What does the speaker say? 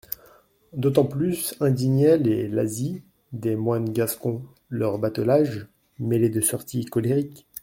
D'autant plus indignaient les lazzi des moines gascons, leur batelage, mêlé de sorties colériques.